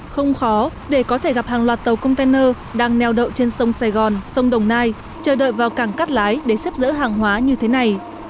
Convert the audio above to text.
không khó để có thể gặp hàng loạt tàu container đang neo đậu trên sông sài gòn sông đồng nai chờ đợi vào cảng cắt lái để xếp dỡ hàng hóa như thế này